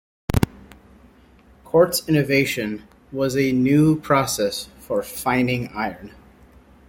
Cort's innovation was a new process for "fining" iron.